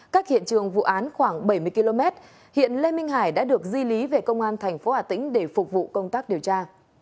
cách hiện trường vụ án khoảng bảy mươi km hiện lê minh hải đã được di lý về công an tp hà tĩnh để phục vụ công tác điều tra